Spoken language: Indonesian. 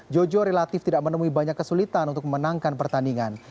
jojo relatif tidak menemui banyak kesulitan untuk memenangkan pertandingan